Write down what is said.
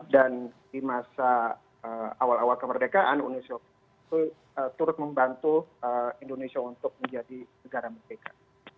dan di masa awal awal kemerdekaan uni soviet turut membantu indonesia untuk menjadi negara merdeka